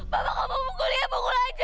papa kamu pukul lia pukul aja